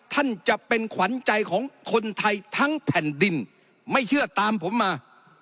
ท่านจะเป็นขวัญใจของคนไทยทั้งแผ่นดินไม่เชื่อตามผมมา